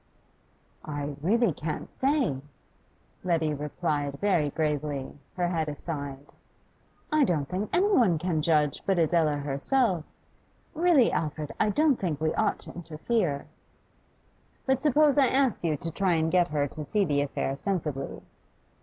'I really can't say,' Letty replied very gravely, her head aside. 'I don't think any one can judge but Adela herself. Really, Alfred, I don't think we ought to interfere.' 'But suppose I ask you to try and get her to see the affair sensibly?